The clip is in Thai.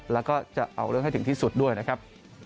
แล้วก็จะเอาเรื่องให้ถึงที่สุดด้วยนะครับ